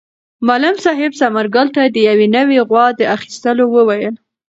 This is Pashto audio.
معلم صاحب ثمر ګل ته د یوې نوې غوا د اخیستلو وویل.